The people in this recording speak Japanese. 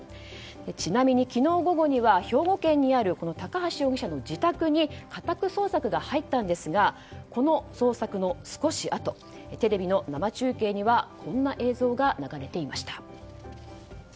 ちなみに昨日午後には兵庫県にある高橋容疑者の自宅に家宅捜索が入ったんですがこの捜索の少しあとテレビの生中継にはこんな映像が流れていました。